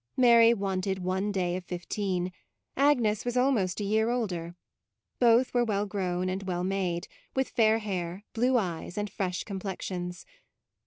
Mary wanted one day of fifteen; Agnes was almost a year older: both were well grown and well made, with fair hair, blue eyes, and fresh complexions.